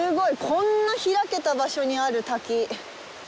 こんな開けた場所にある滝。